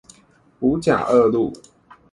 五甲二路